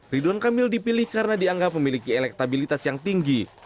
ridwan kamil dipilih karena dianggap memiliki elektabilitas yang tinggi